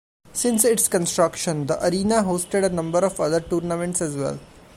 Since its construction, the arena hosted a number of other tournaments as well.